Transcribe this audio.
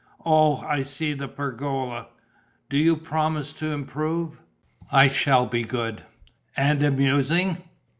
Oh, I see the pergola! Do you promise to improve?" "I shall be good." "And amusing?"